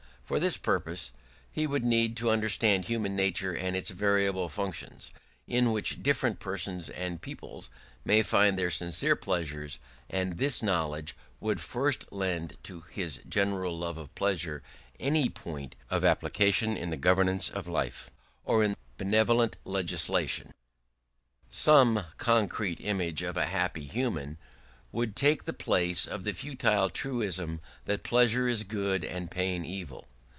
For this purpose he would need to understand human nature and its variable functions, in which different persons and peoples may find their sincere pleasures; and this knowledge would first lend to his general love of pleasure any point of application in the governance of life or in benevolent legislation. Some concrete image of a happy human world would take the place of the futile truism that pleasure is good and pain evil.